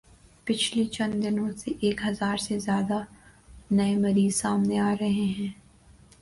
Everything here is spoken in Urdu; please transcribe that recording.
پچھلے چند دنو ں سے ایک ہزار سے زیادہ نئے مریض سامنے آرہے تھے